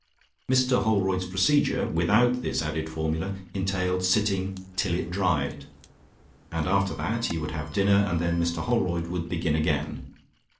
Mr Holroyd's procedure, without this added formula, entailed sitting "till it dried," and after that he would have dinner, and then Mr Holroyd would begin again.